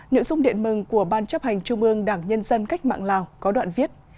nội dung điện mừng của ban chấp hành trung ương đảng nhân dân cách mạng lào có đoạn viết